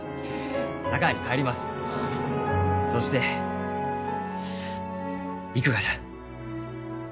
そして行くがじゃ。